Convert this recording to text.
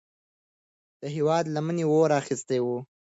د هیواد لمنې اور اخیستی و.